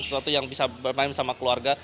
sesuatu yang bisa bermain sama keluarga